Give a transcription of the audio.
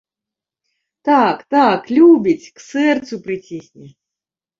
Так, так, любіць, к сэрцу прыцісне!